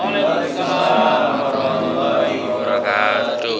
waalaikumsalam warahmatullahi wabarakatuh